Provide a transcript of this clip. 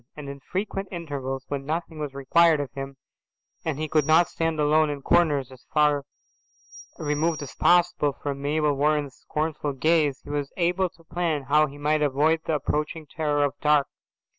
And in the frequent intervals when nothing was required of him and he could stand alone in corners as far removed as possible from Mabel Warren's scornful gaze, he was able to plan how he might avoid the approaching terror of the dark.